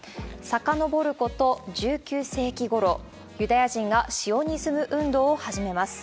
遡ること１９世紀ごろ、ユダヤ人がシオニズム運動を始めます。